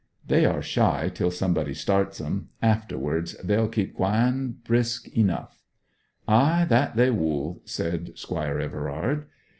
They are shy till somebody starts 'em; afterwards they'll keep gwine brisk enough.' 'Ay, that they wool,' said Squire Everard.